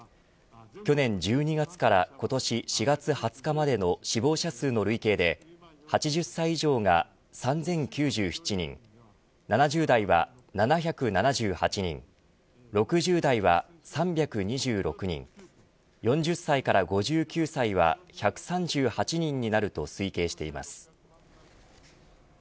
去年１２月から今年４月２０日までの死亡者数の累計でうち８０歳以上が３０９７人７０代は７７８人６０代は３２６人４０歳から５９歳は１３８人になると推計しています。